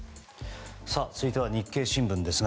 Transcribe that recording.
続いては日経新聞です。